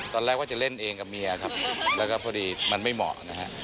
ตอนแรกว่าจะเล่นเองกับเมียครับแล้วก็พอดีมันไม่เหมาะนะฮะ